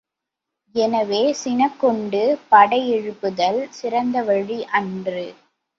எனவே சினக்கொண்டு படையெழுப்புதல் சிறந்த வழி அன்று.